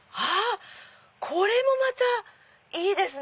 これもまたいいですね！